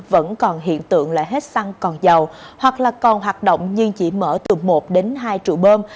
vẫn còn hiện tượng là hết xăng còn dầu hoặc là còn hoạt động nhưng chỉ mở từ một đến hai trụ bơm